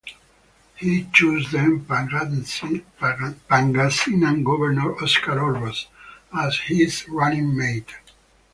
He chose then Pangasinan governor Oscar Orbos as his running mate.